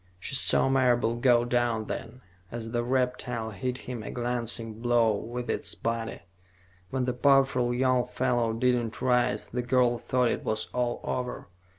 She saw Marable go down, then, as the reptile hit him a glancing blow with its body. When the powerful young fellow did not rise, the girl thought it was all over.